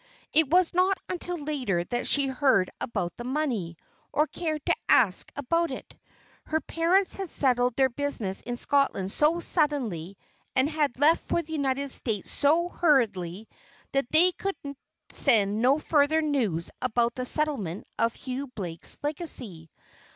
It was not until later that she heard about the money, or cared to ask about it. Her parents had settled their business in Scotland so suddenly and had left for the United States so hurriedly, that they could send no further news about the settlement of Hughie Blake's legacy.